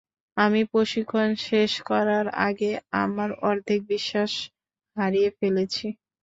আমি প্রশিক্ষণ শেষ করার আগে আমার অর্ধেক বিশ্বাস হারিয়ে ফেলেছি।